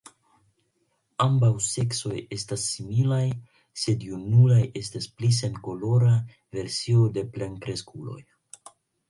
Ambaŭ seksoj estas similaj, sed junuloj estas pli senkolora versio de plenkreskuloj.